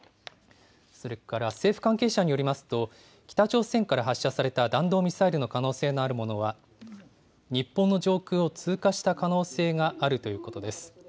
それから政府関係者によりますと、北朝鮮から発射された弾道ミサイルの可能性のあるものは、日本の上空を通過した可能性があるということです。